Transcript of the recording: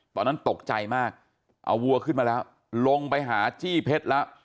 ตอนนั้นตกใจมากเอาวัวขึ้นมาแล้วลงไปหาจี้เพชรแล้ว